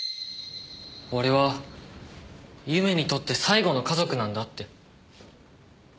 俺は祐芽にとって最後の家族なんだって。